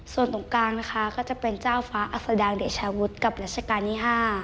ส่วนตรงกลางนะคะก็จะเป็นเจ้าฟ้าอัศดางเดชาวุฒิกับรัชกาลที่๕